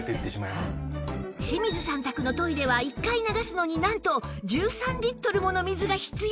清水さん宅のトイレは１回流すのになんと１３リットルもの水が必要